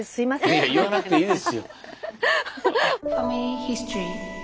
いやいや言わなくていいですよ。